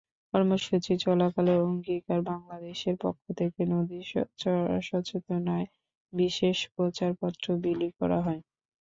কর্মসূচি চলাকালে অঙ্গীকার বাংলাদেশের পক্ষ থেকে নদী-সচেতনতায় বিশেষ প্রচারপত্র বিলি করা হয়।